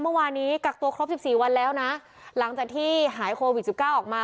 เมื่อวานนี้กักตัวครบสิบสี่วันแล้วนะหลังจากที่หายโควิดสิบเก้าออกมา